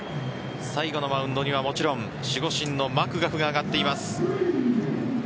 最後のマウンドにはもちろん守護神のマクガフが上がっています。